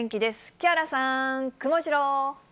木原さん、くもジロー。